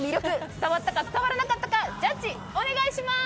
伝わったか伝わらなかったかジャッジ、お願いします！